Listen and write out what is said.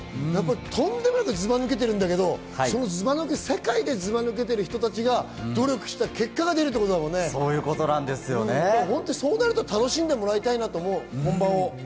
とんでもなく、ずば抜けているんだけれども、世界でずば抜けている人たちが努力した結果が出るということだもんね、そうなると楽しんでもらいたいと思う、本番を。